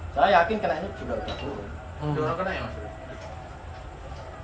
saya yakin karena ini juga turun